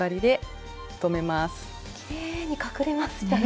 きれいに隠れますね。